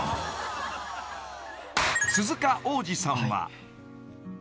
［鈴鹿央士さんは］